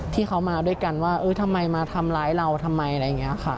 ที่เขามาด้วยกันว่าเออทำไมมาทำร้ายเราทำไมอะไรอย่างนี้ค่ะ